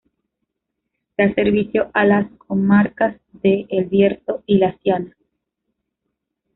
Da servicio a la comarcas de El Bierzo y Laciana.